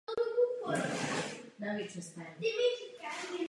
Takový přístup by totiž pouze uškodil lidem v Bělorusku.